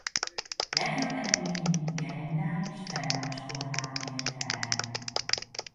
Legjobb eredményeit gerendán és felemás korláton érte el.